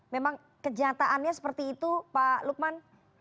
memang kenyataannya seperti itu pak lukman